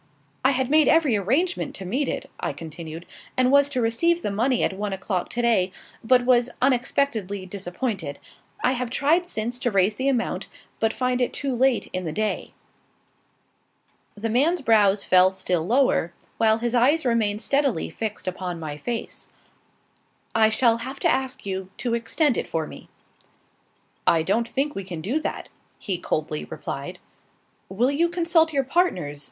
"I had made every arrangement to meet it," I continued, "and was to receive the money at one o'clock to day, but was unexpectedly disappointed. I have tried since to raise the amount, but find it too late in the day." The man's brows fell still lower, while his eyes remained steadily fixed upon my face. "I shall have to ask you to extend it for me." "I don't think we can do that," he coldly replied. "Will you consult your partners?"